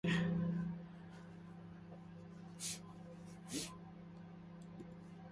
하며 냉정하고도 원망하는 어조로 간단히 대답을 할 뿐이다.